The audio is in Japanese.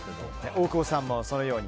大久保さんもそのように？